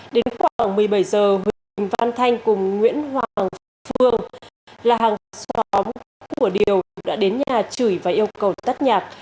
đến khoảng một mươi bảy h huỳnh văn thanh cùng nguyễn hoàng phương là hàng xóm của điều đã đến nhà chửi và yêu cầu tắt nhạc